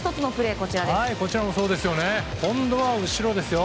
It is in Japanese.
こちらもそうですね。